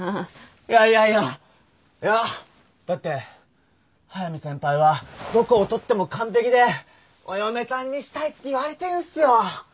いやいやいやいやだって速見先輩はどこを取っても完璧でお嫁さんにしたいって言われてるんすよ？